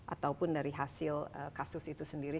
ataupun dari hasil kasus itu sendiri